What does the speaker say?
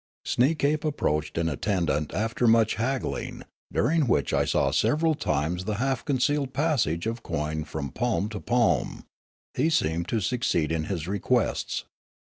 Sneekape approached an attendant and after much haggling, during which I saw several times the half concealed passage of coin from palm to palm, he seemed to succeed in his requests.